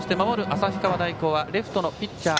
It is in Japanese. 旭川大高はレフトのピッチャー